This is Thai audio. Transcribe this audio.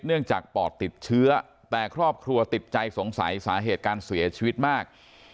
จากปอดติดเชื้อแต่ครอบครัวติดใจสงสัยสาเหตุการเสียชีวิตมาก